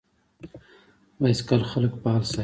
بایسکل خلک فعال ساتي.